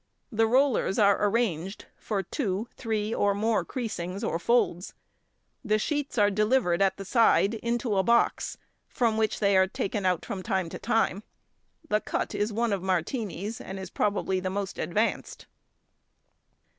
The rollers are arranged for two, three, or more creasings or folds. The sheets are delivered at the side into a box, from which they are taken from time to time. The cut is one of Martini's, and is probably the most advanced.